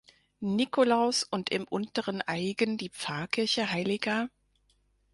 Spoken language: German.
Nikolaus und im Unteren Aigen die Pfarrkirche hl.